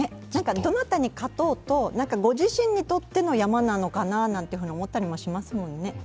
どなたに勝とうと、ご自身にとっての山なのかなと思ったりしますもんね。